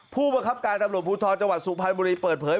ผู้บังคับการตำรวจภูทรจังหวัดสุพรรณบุรีเปิดเผย